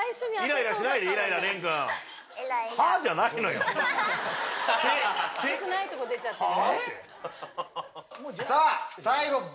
よくないとこ出ちゃってる。